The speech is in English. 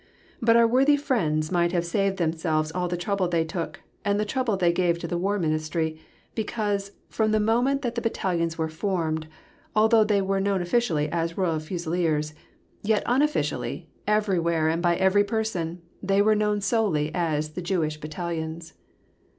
But our worthy friends might have saved themselves all the trouble they took, and the trouble they gave to the War Ministry, because, from the moment that the battalions were formed, although they were known officially as Royal Fusiliers, yet unofficially, everywhere, and by every person, they were known solely as the Jewish Battalions.